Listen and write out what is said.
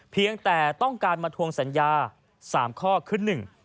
เพียงแต่ต้องการมาทวงสัญญา๓ข้อคือหนึ่ง